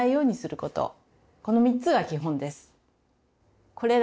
この３つが基本です。